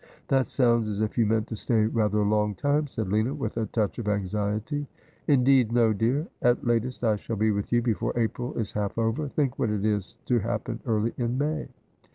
' That sounds as if you meant to stay rather a long time,' said Lina, with a touch of anxiety. ' Indeed, no, dear. At latest I shall be with you before April is half over. Think what is to happen early in May.'